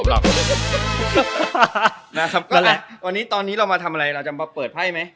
นั่นแหละวันนี้ตอนนี้เรามาทำอะไรเราจะมาเปิดไพ่ไหม